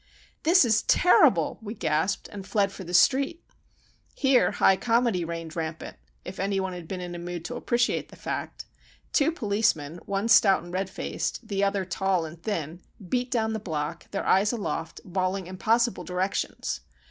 "This is terrible!" we gasped, and fled for the street. Here high comedy reigned rampant, if any one had been in a mood to appreciate the fact. Two policemen, one stout and red faced, the other tall and thin, beat down the block, their eyes aloft, bawling impossible directions.